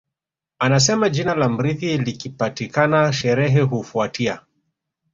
Anasema jina la mrithi likipatikana sherehe hufuatia